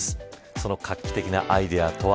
その画期的なアイデアとは。